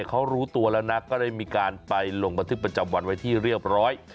เขารู้ตัวแล้วนะก็ได้มีการไปลงบันทึกประจำวันไว้ที่เรียบร้อย